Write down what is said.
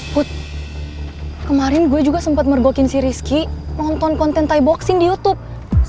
put kemarin gue juga sempet mergokin si rizky nonton konten thai boxing di youtube